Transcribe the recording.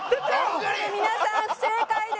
ここで皆さん不正解です。